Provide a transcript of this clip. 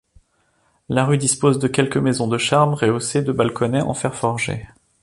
La rue dispose de quelques maisons de charme rehaussées de balconnets en fer forgé.